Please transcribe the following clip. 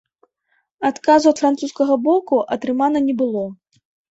Адказу ад французскага боку атрымана не было.